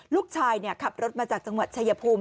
ลูกชายขับรถมาจากจังหวัดชายภูมิ